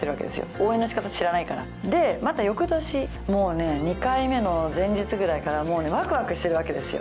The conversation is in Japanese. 応援のしかた知らないからでまたよくとしもうね２回目の前日ぐらいからもうねワクワクしてるわけですよ